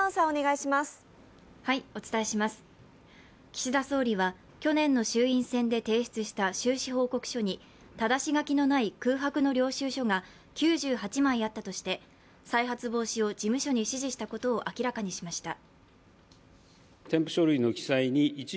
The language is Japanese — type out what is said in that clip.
岸田総理は去年の衆院選で提出した収支報告書にただし書きのない空白の領収書が９８枚あったとして再発防止を事務所に指示したことを明らかにしました。